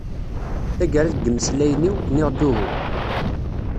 Taggara deg imeslayen-iw, nniɣ-d uhu.